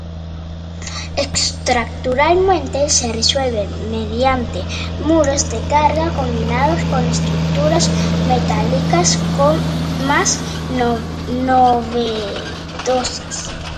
Estructuralmente se resuelve mediante muros de carga combinados con estructuras metálicas más novedosas.